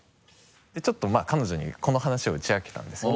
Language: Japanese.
でちょっとまぁ彼女にこの話を打ち明けたんですよ。